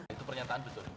itu pernyataan betul